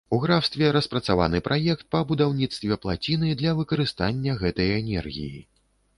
У графстве распрацаваны праект па будаўніцтве плаціны для выкарыстання гэтай энергіі.